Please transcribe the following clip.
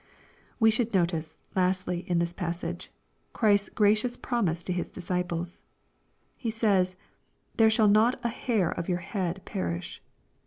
We should notice, lastly, in this passage, Christ's gracious promiseto His disciples. He says " there shall/ not an hair of your head perish."